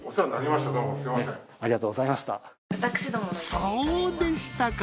そうでしたか！